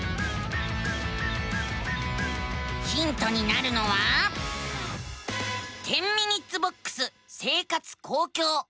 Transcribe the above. ヒントになるのは「１０ｍｉｎ．ボックス生活・公共」。